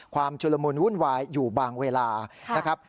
ชุลมุนวุ่นวายอยู่บางเวลานะครับ